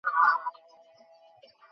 তোমাদের দুজনের জন্য ভালবাসা এবং আশীর্বাদ।